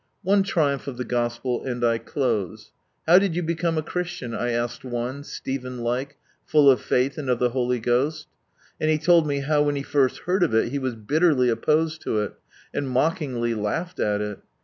One triumph of the Gospel, and I close. "How did you become a Christian?" I asked one, Stephen like, "full of faith and of the Holy GhosL" And he told me how, when he first heard of it, he was bitterly opposed to it, and mockingly laughed at it.